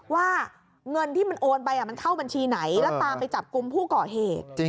ว่าเงินที่มันโอนไปมันเข้าบัญชีไหนแล้วตามไปจับกลุ่มผู้ก่อเหตุ